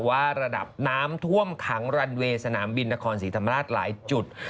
ว่าระดับน้ำท่วมขังรันเวย์สนามบินนครศรีธรรมราชหลายจุด